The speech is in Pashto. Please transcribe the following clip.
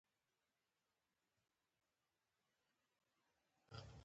افغانستان کې ژورې سرچینې د ټولو خلکو د خوښې وړ یو ځای دی.